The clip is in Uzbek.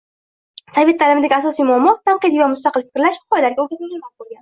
Sovet taʼlimidagi asosiy muammo tanqidiy va mustaqil fikrlash, gʻoyalarga oʻrgatmagani boʻlgan.